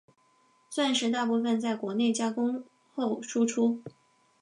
钻石大部份在国内加工后输出。